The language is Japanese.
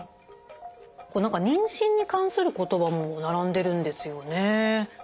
何か妊娠に関する言葉も並んでるんですよね。